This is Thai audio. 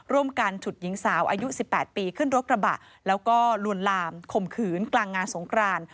ร่วมกันฉุดยิงสาวอายุสิบแปดปีขึ้นโรคระบาดแล้วก็ลวนลามขมขืนกลางงานสงคราน